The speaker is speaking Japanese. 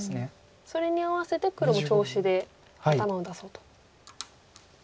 それに合わせて黒も調子で頭を出そうと。